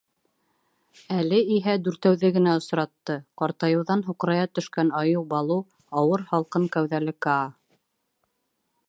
Әле иһә Дүртәүҙе генә осратты: ҡартайыуҙан һуҡырая төшкән айыу Балу, ауыр, һалҡын кәүҙәле Каа.